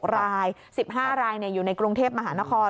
๖ราย๑๕รายอยู่ในกรุงเทพมหานคร